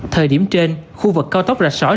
thời điểm trên khu vực cao tốc rạch sỏi